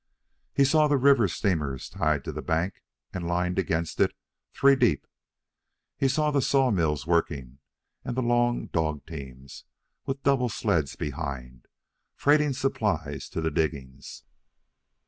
He saw the river steamers tied to the bank and lined against it three deep; he saw the sawmills working and the long dog teams, with double sleds behind, freighting supplies to the diggings.